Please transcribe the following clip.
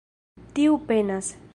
Tiu penas.